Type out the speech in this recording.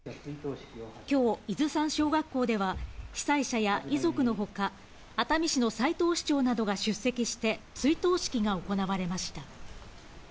きょう、伊豆山小学校では、被災者や遺族のほか、熱海市の斉藤市長などが出席して、追悼式が行われました。